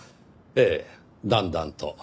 ええだんだんと。